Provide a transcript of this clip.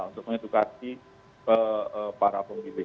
untuk mengedukasi para pemilih